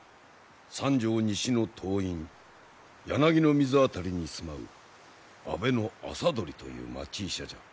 三条西ノ洞院柳の水辺りに住まう阿部の麻鳥という町医者じゃ。